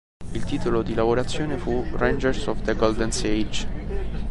Il titolo di lavorazione fu "Rangers of the Golden Sage".